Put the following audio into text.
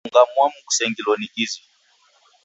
Funga momu kusengilo ni izi